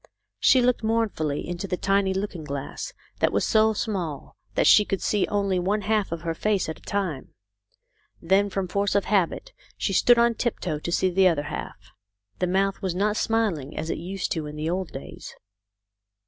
She looked mournfully into the tiny looking glass that was so small that she could see only one half of her face at a time. Then from force of habit she stood on tiptoe to see the other half. The mouth was not smiling as it used to in the old days.